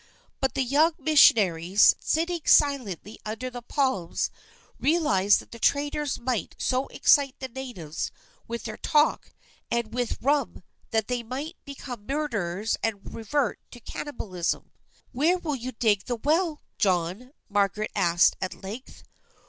But the young missionaries, sitting silently under the palms, realized that the traders might so excite the natives with their talk, and with the rum, that they might become murderers and revert to cannibalism. "Where will you dig the well, John?" Margaret asked at length.